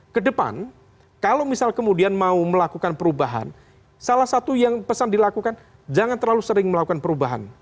kedepan kalau misal kemudian mau melakukan perubahan salah satu yang pesan dilakukan jangan terlalu sering melakukan perubahan